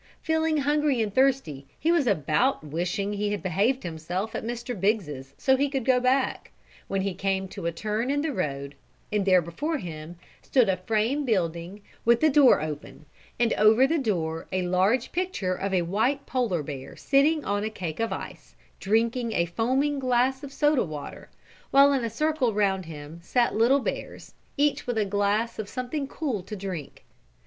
Feeling hungry and thirsty he was about wishing he had behaved himself at Mr. Biggses so he could go back, when he came to a turn in the road and there before him stood a frame building, with the door open and over the door a large picture of a white Polar bear sitting on a cake of ice, drinking a foaming glass of soda water, while in a circle round him sat little bears, each with a glass of something cool to drink.